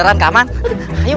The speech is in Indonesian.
terima kasih anak anak